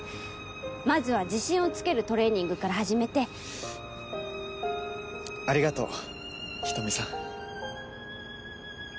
まずは自信をつけるトレーニングから始めてありがとう人見さん